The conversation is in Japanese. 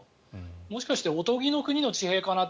もしかしておとぎの国の地平かななんて